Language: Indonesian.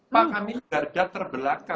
pak kami garda terbelakang